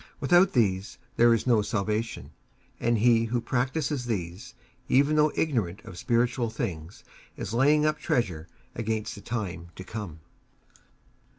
Without these, there is no salvation; and he who practices these, even though ignorant of spiritual things, is laying up treasure against the time to come.